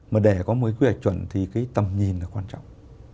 mà để có một quy hoạch chuẩn thì cái tầm nhìn là quan trọng